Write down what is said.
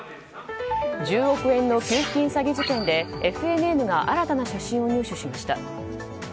１０億円の給付金詐欺事件でＦＮＮが新たな写真を入手しました。